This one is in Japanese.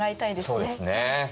そうですね。